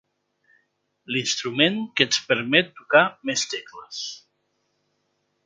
L'instrument que ens permet tocar més tecles.